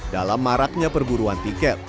dalam maraknya perburuan tiket